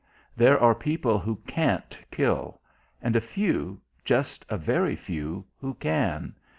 There are people who can't kill, and a few, just a very few, who can.